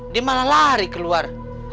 dia malah lari keluar